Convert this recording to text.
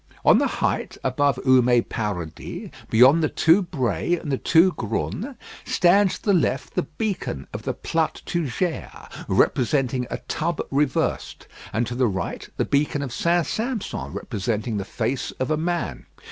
On the height above Houmet Paradis, beyond the Two Brayes and the Two Grunes, stands to the left the beacon of the Plattes Tougères, representing a tub reversed; and to the right, the beacon of St. Sampson, representing the face of a man.